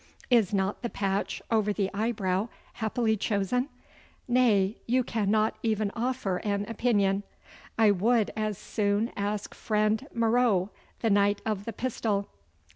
Is not the patch over the eyebrow happily chosen? Nay, you cannot even offer an opinion; I would as soon ask friend Marot, the knight of the pistol.